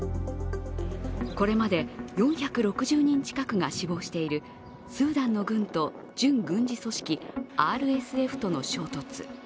これまで４６０人近くが死亡しているスーダンの軍と準軍事組織ＲＳＦとの衝突。